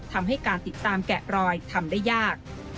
ทำให้การติดตามแกะรอยทำได้ยาก